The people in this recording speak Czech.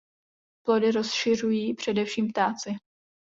Plody rozšiřují především ptáci.